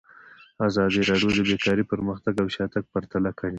ازادي راډیو د بیکاري پرمختګ او شاتګ پرتله کړی.